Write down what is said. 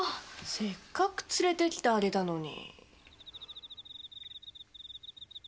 せっかく連れてきてあげたのに。